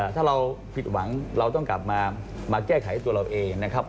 ถ้าเราผิดหวังเราต้องกลับมาแก้ไขตัวเราเองนะครับ